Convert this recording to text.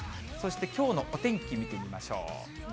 そしてきょうのお天気見てみましょう。